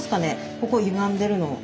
ここゆがんでるの。